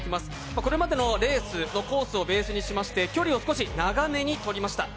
これまでのレースのコースをベースにしまして、距離を少し長めにとりました。